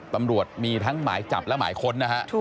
ตำรวจมีทั้งหมายจับและหมายค้นนะฮะ